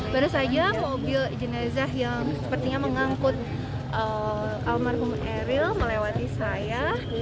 baru saja mobil jenazah yang sepertinya mengangkut almarhum eril melewati saya